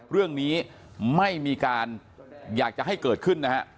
เรื่องนี้ไม่มีการอยากจะให้เกิดขึ้นนะฮะ